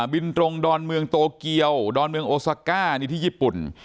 บินตรงดอนเมืองโตเกียวดอนเมืองโอซาก้านี่ที่ญี่ปุ่น